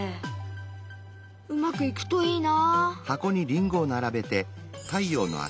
うまくいくといいな。